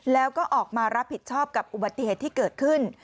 แล้วก็ออกมารับผิดชอบกับอุบัติเหตุที่เกิดขึ้น